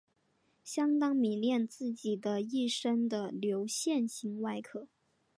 相当迷恋自己的一身的流线型的外壳。